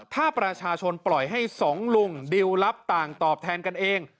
ถ้าประชาชนปล่อยให้สองลุงดิวรับต่างตอบแทนกันเอง